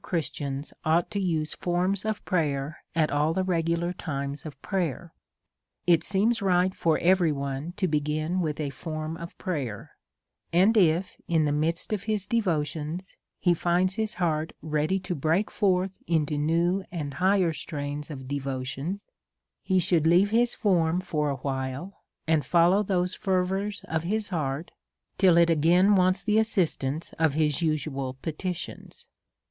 Christians ought to use forms of prayer at all the regular times of prayer. It seems right for every one | to begin with a form of prayer ; and if, in the midst of devotions, he finds his heart ready to break forth into new and higher strains of devotion, he should leave his form for a while, and follow those fervours of his heart, till it again wants the assistance of his useful petitions.